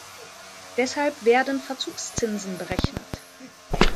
Deshalb werden Verzugszinsen berechnet.